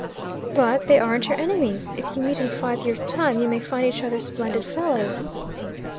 "But they aren't your enemies. If you meet in five years' time you may find each other splendid fellows."